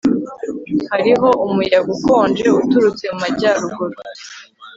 Hariho umuyaga ukonje uturutse mu majyaruguru